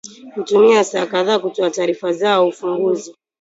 kutumia saa kadhaa kutoa taarifa zao ufunguzi